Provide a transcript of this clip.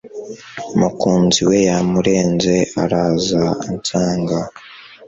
Umukunzi we yaramurenze araza ansanga